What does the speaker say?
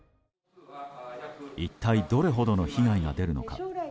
一体どれほどの被害が出るのか。